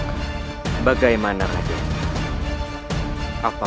kami tidak berharap